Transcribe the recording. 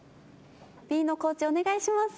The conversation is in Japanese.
Ｂのコーチお願いします。